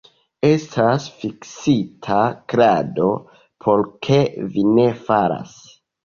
Estas fiksita krado, por ke vi ne falas!